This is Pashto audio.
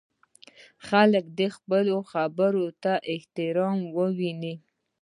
خلک دې د خپلو خبرو لپاره احترام وویني.